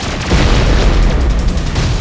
tak ada buy